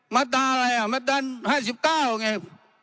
มาตราอะไรอ่ะมาตรา๕๙ไง